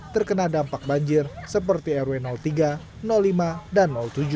terkena dampak banjir seperti rw tiga lima dan tujuh